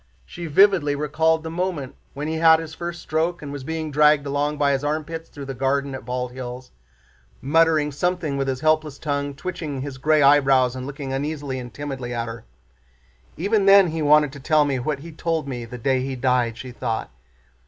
She vividly recalled the moment when he had his first stroke and was being dragged along by his armpits through the garden at Bald Hills, muttering something with his helpless tongue, twitching his gray eyebrows and looking uneasily and timidly at her. "Even then he wanted to tell me what he told me the day he died," she thought.